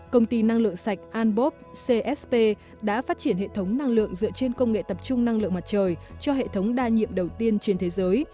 công ty năng lượng sạch anbop csp đã phát triển hệ thống năng lượng dựa trên công nghệ tập trung năng lượng mặt trời cho hệ thống đa nhiệm đầu tiên trên thế giới